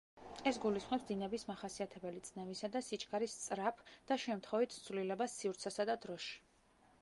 ეს გულისხმობს დინების მახასიათებელი წნევისა და სიჩქარის სწრაფ და შემთხვევით ცვლილებას სივრცესა და დროში.